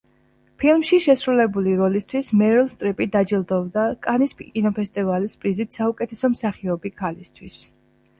ფილმში შესრულებული როლისთვის მერილ სტრიპი დაჯილდოვდა კანის კინოფესტივალის პრიზით საუკეთესო მსახიობი ქალისთვის.